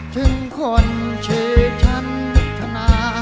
ถึงคนชื่อฉันธนา